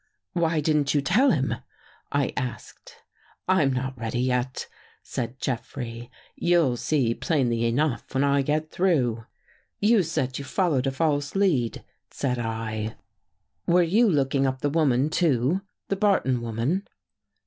''Why didn't you tell him?" I asked. " I'm not ready yet," said Jeffrey. " You'll see plainly enough when I get through." " You said you followed a false lead," said 1. 150 THROUGH THE GRILLE Were you looking up the woman, too — the Bar ton woman?